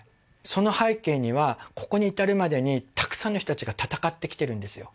その背景にはここに至るまでにたくさんの人たちが闘ってきてるんですよ